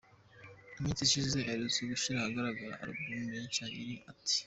Mu minsi ishize aherutse gushyira ahagaragara album ye nshya yise ‘Anti’.